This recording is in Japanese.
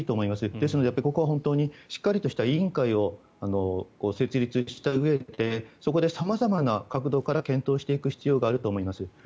ですからここは本当にしっかりした委員会を設立したうえで様々な角度から検討していく必要があると思います。